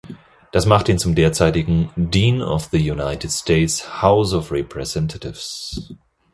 Das macht ihn zum derzeitigen "Dean of the United States House of Representatives".